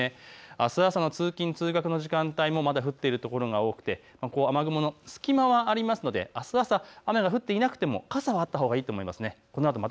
あす朝の通勤通学の時間帯もまだ降っている所が多くて雨雲の隙間はありますが、あす朝雨が降っていなくても傘はあったほうがいいと思います。